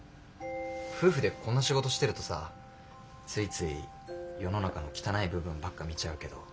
夫婦でこんな仕事してるとさついつい世の中の汚い部分ばっか見ちゃうけど。